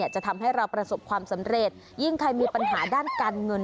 จะทำให้เราประสบความสำเร็จยิ่งใครมีปัญหาด้านการเงิน